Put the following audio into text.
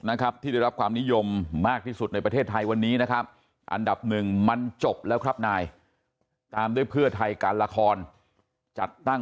นะครับที่ได้รับความนิยมมากที่สุดในประเทศไทยวันนี้นะครับอันดับหนึ่งมันจบแล้วครับนายตามด้วยเพื่อไทยการละครจัดตั้ง